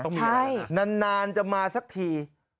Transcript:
นานจะมาสักที